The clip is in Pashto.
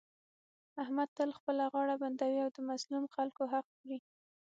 احمد تل خپله غاړه بندوي او د مظلومو خلکو حق خوري.